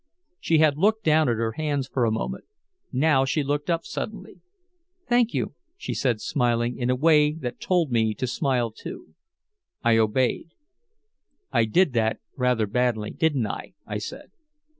She had looked down at her hands for a moment. Now she looked up suddenly. "Thank you," she said smiling, in a way that told me to smile too. I obeyed. "I did that rather badly, didn't I," I said.